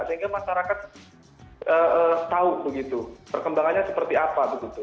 sehingga masyarakat tahu perkembangannya seperti apa